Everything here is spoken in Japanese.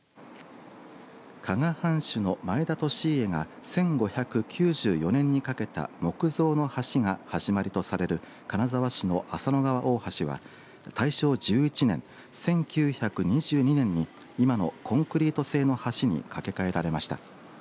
加賀藩主の前田利家が１５９４年に架けた木造の橋が始まりとされる金沢市の浅野川大橋は大正１１年、１９２２年に今のコンクリート製の橋に架け替えられました。